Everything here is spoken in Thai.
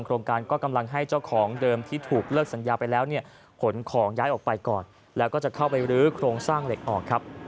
โครงการก็กำลังให้เจ้าของเดิมที่ถูกเลิกสัญญาไปแล้วเนี่ยขนของย้ายออกไปก่อนแล้วก็จะเข้าไปรื้อโครงสร้างเหล็กออกครับ